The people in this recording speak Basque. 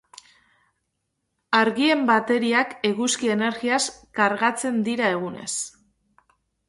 Argien bateriak eguzki energiaz kargatzen dira egunez.